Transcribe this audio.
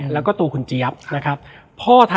และวันนี้แขกรับเชิญที่จะมาเชิญที่เรา